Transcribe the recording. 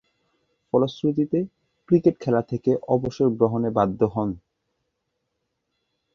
ফলশ্রুতিতে ক্রিকেট খেলা থেকে অবসর গ্রহণ করতে বাধ্য হন।